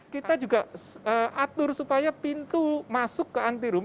kita juga atur supaya pintu masuk ke antirum